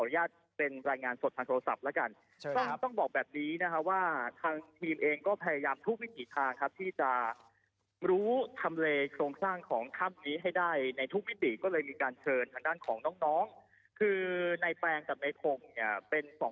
อย่างนั้นขอออนุญาตเป็นรายงานสดทางโทรศัพท์แล้วกัน